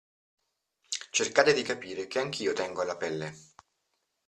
Cercate di capire che anch'io tengo alla pelle.